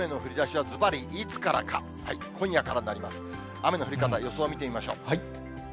雨の降り方、予想を見てみましょう。